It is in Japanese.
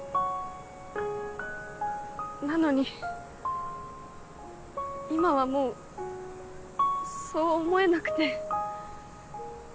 なのに今はもうそう思えなくて。